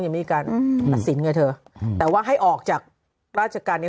มีการตัดสินไงเธอแต่ว่าให้ออกจากราชการนี้